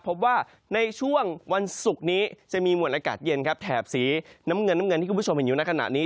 พบว่าในช่วงวันศุกร์นี้จะมีมวลอากาศเย็นครับแถบสีน้ำเงินน้ำเงินที่คุณผู้ชมเห็นอยู่ในขณะนี้